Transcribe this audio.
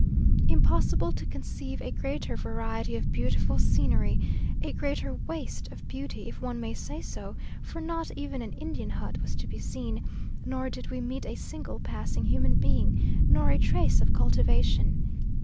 Impossible to conceive a greater variety of beautiful scenery a greater waste of beauty, if one may say so for not even an Indian hut was to be seen, nor did we meet a single passing human being, nor a trace of cultivation.